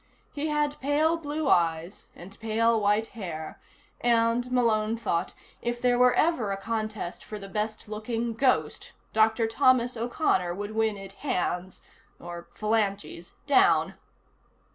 He had pale blue eyes and pale white hair, and, Malone thought, if there ever were a contest for the best looking ghost, Dr. Thomas O'Connor would win it hands (or phalanges) down.